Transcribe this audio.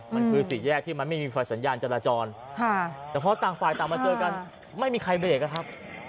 มันคือสี่แยกที่มันไม่มีไฟสัญญาณจราจรแต่พอต่างฝ่ายต่างมาเจอกันไม่มีใครเบรกนะครับ